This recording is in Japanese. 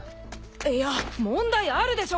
いや問題あるでしょ